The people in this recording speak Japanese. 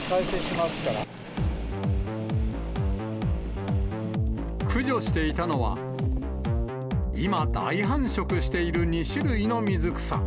ま駆除していたのは、今、大繁殖している２種類の水草。